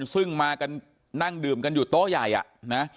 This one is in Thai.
ซึ่งมากันนั่งดื่มกันอยู่โต๊ะใหญ่อ่ะนะ